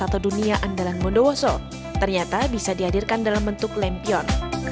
dan satu dunia andalan bondowoso ternyata bisa dihadirkan dalam bentuk lampion